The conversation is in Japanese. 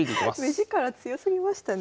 目力強すぎましたね。